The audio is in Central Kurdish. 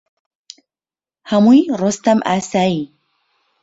هەمووی ڕۆستەم ئاسایی